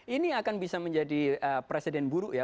ini akan bisa menjadi presiden buruk ya